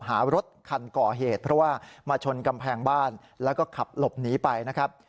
หารถคันก่อเหตุเพราะว่ามาชนกำแพงบ้านแล้วก็ขับหลบหนีไปนะครับ